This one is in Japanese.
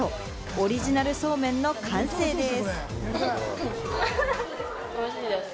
オリジナルそうめんの完成です。